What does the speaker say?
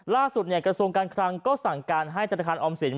ล่าสุดเนี่ยกระทรวงการคลังก็สั่งการให้ศาลคารออมศีล